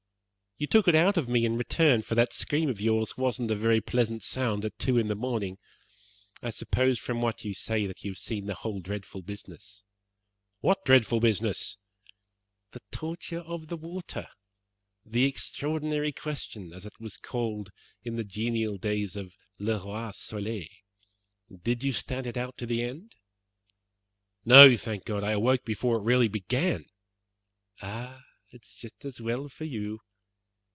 "You took it out of me in return, for that scream of yours wasn't a very pleasant sound at two in the morning. I suppose from what you say that you have seen the whole dreadful business." "What dreadful business?" "The torture of the water the 'Extraordinary Question,' as it was called in the genial days of 'Le Roi Soleil.' Did you stand it out to the end?" "No, thank God, I awoke before it really began." "Ah! it is just as well for you.